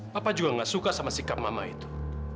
papa juga gak suka sama sikap mama itu